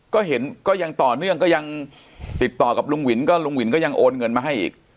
ก็เห็นก็ยังต่อเนื่องก็ยังติดต่อกับลุงวินก็ลุงวินก็ยังโอนเงินมาให้อีก